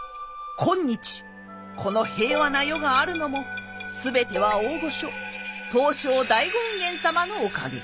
今日この平和な世があるのも全ては大御所東照大権現様のおかげ。